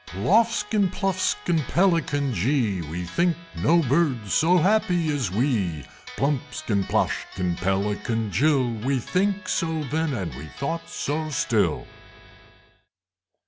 Ploffskin, Pluffskin, Pelican jee! We think no Birds so happy as we! Plumpskin, Ploshkin, Pelican jill! We think so then, and we thought so still!